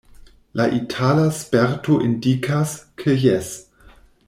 La itala sperto indikas, ke jes.